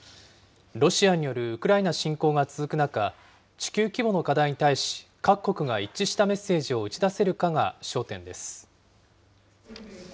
ロシアによるウクライナ侵攻が続く中、地球規模の課題に対し、各国が一致したメッセージを打ち出せるかが焦点です。